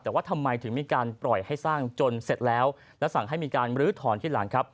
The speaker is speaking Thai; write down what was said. แต่ว่าทำไมถึงมีการปล่อยให้สร้างจนเสร็จแล้วและสั่งให้มีการบรื้อถอนที่หลังครับ